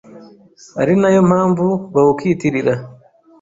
ari na yo mpamvu bawukitirira.